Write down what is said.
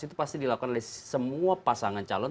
itu pasti dilakukan oleh semua pasangan calon